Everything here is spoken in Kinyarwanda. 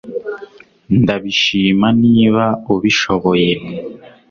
Ndabishima niba ubishoboye